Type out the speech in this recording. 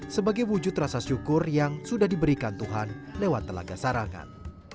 sebagai wujud rasa syukur yang sudah diberikan tuhan lewat telaga sarangan